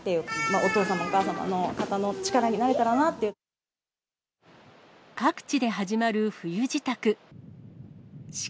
お父様、お母様の方の力になれた各地で始まる冬支度。